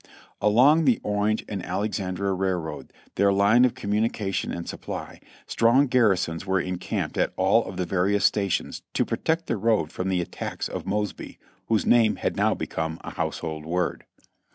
Along the Orange and Alexandria Railroad, their line of com munication and supply, strong garrisons were encamped at all of the various stations to protect the road from the attacks of Mosby, whose name had now become a household word.